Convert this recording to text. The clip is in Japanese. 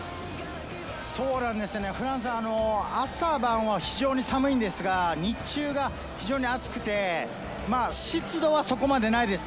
フランス、朝晩は非常に寒いんですが、日中は非常に暑くて、湿度はそこまでないです。